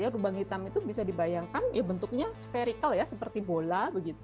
lubang hitam itu bisa dibayangkan bentuknya spherical seperti bola